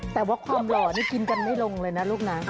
แต่ว่าความหล่อนี่กินกันไม่ลงเลยนะลูกนะ